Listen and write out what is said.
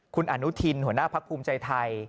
คุณอนุทินหัวหน้าพักภูมิใจไทย